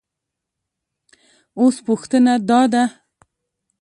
اوس پوښتنه دا ده